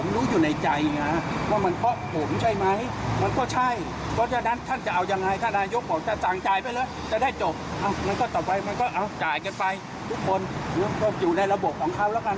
แล้วก็เอาจ่ายกันไปทุกคนอยู่ในระบบของเขาแล้วกัน